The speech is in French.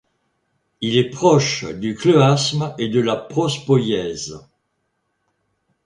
Il est proche du chleuasme et de la prospoièse.